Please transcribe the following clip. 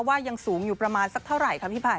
ยังสูงอยู่ประมาณสักเท่าไหร่ครับพี่ไผ่